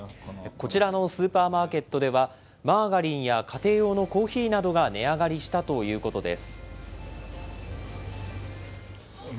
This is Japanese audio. こちらのスーパーマーケットでは、マーガリンや家庭用のコーヒーなどが値上がりしたということです。